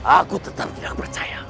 aku tetap tidak percaya